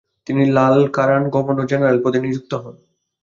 তিনি Lankaran governor general পদে নিযুক্ত হন।